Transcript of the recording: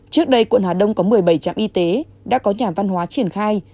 trước đây quận hà đông có một mươi bảy trạm y tế đã có nhà văn hóa triển khai